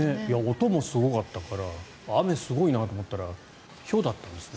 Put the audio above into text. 音もすごかったから雨すごいなと思ったらひょうだったんですね。